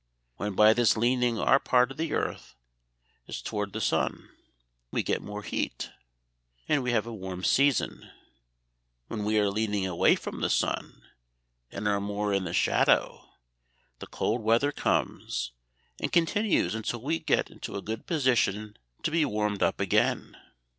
When by this leaning our part of the earth is toward the sun, we get more heat, and have a warm season; when we are leaning away from the sun, and are more in the shadow, the cold weather comes, and continues until we get into a good position to be warmed up again.